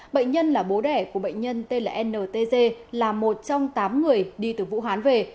bệnh nhân là bố đẻ của bệnh nhân tên là ntg là một trong tám người đi từ vũ hán về